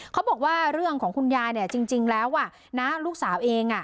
เขาบอกว่าเรื่องของคุณยายเนี่ยจริงแล้วลูกสาวเอง